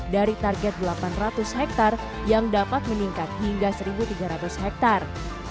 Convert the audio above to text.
dari target delapan ratus hektare yang dapat meningkat hingga satu tiga ratus hektare